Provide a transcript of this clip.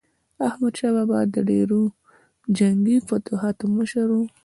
احمدشاه بابا د ډیرو جنګي فتوحاتو مشر و.